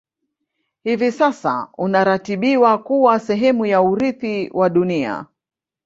Hivi sasa unaratibiwa kuwa sehemu ya Urithi wa dunia